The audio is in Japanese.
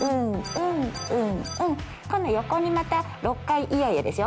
今度横にまた６回「いやいや」ですよ。